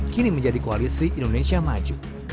kini menjadi koalisi indonesia maju